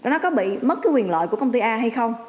nó có bị mất cái quyền lợi của công ty a hay không